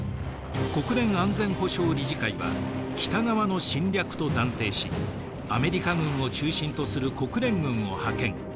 国連安全保障理事会は北側の侵略と断定しアメリカ軍を中心とする国連軍を派遣。